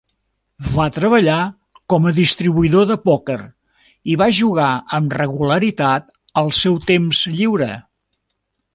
Va treballar com a distribuïdor de pòquer i va jugar amb regularitat al seu temps lliure.